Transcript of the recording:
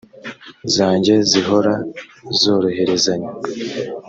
zanjye zihora zohererezanya